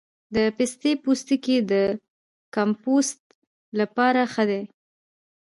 د پستې پوستکی د کمپوسټ لپاره ښه دی؟